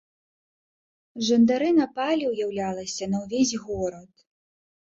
Жандары напалі, уяўлялася, на ўвесь горад.